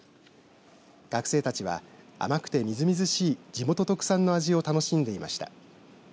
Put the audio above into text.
学生たちは、甘くてみずみずしい地元特産の味を楽しんでいました。